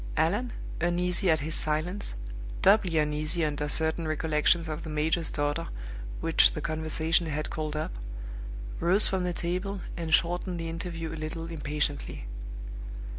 Allan, uneasy at his silence, doubly uneasy under certain recollections of the major's daughter which the conversation had called up, rose from the table and shortened the interview a little impatiently.